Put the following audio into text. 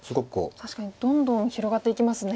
確かにどんどん広がっていきますね。